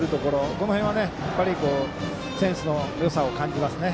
この辺はセンスのよさを感じますね。